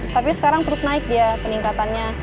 tapi sekarang terus naik dia peningkatannya